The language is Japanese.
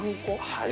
◆はい。